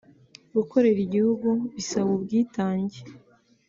” Gukorera igihugu bisaba ubwitange